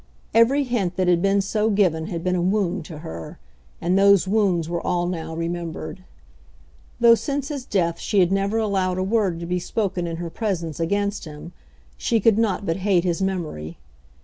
Every hint that had been so given had been a wound to her, and those wounds were all now remembered. Though since his death she had never allowed a word to be spoken in her presence against him, she could not but hate his memory.